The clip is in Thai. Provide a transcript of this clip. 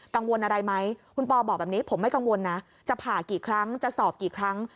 กังวลอะไรไหมคุณปอบอกแบบนี้ผมไม่กังวลนะจะผ่ากี่ครั้งจะสอบกี่ครั้ง